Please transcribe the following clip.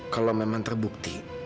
kalau memang terbukti